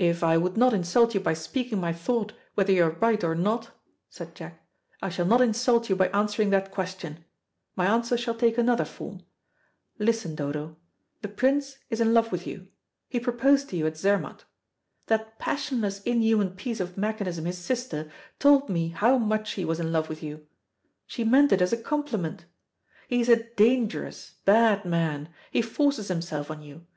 "If I would not insult you by speaking my thought whether you are right or not," said Jack, "I shall not insult you by answering that question. My answer shall take another form. Listen, Dodo. The Prince is in love with you. He proposed to you at Zermatt. That passionless inhuman piece of mechanism, his sister, told me how much he was in love with you. She meant it as a compliment. He is a dangerous, bad man. He forces himself on you.